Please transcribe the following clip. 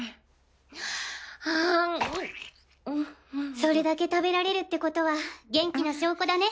それだけ食べられるってことは元気な証拠だね。